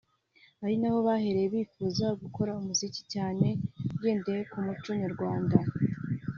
ari naho bahereye bifuza gukora umuziki cyane ugendeye ku muco nyarwanda